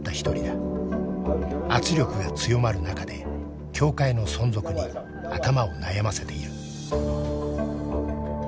圧力が強まる中で協会の存続に頭を悩ませている。